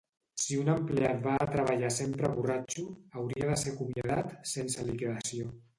Si un empleat va a treballar sempre borratxo hauria de ser acomiadat sense liquidació